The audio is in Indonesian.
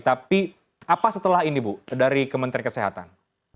tapi apa setelah ini bu dari kementerian kesehatan